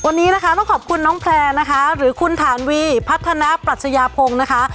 วันนี้นะคะต้องขอบคุณน้องแพร่นะคะหรือคุณฐานวีพัฒนาปรัชญาพงศ์นะคะ